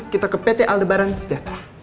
kita ke pt aldebaran sejahtera